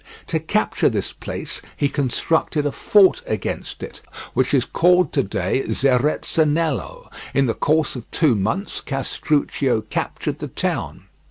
To capture this place he constructed a fort against it, which is called to day Zerezzanello; in the course of two months Castruccio captured the town.